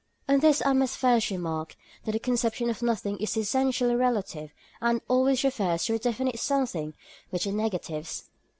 On this I must first remark, that the conception of nothing is essentially relative, and always refers to a definite something which it negatives.